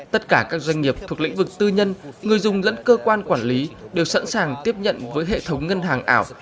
tất cả các doanh nghiệp thuộc lĩnh vực tư nhân người dùng lẫn cơ quan quản lý đều sẵn sàng tiếp nhận với hệ thống ngân hàng ảo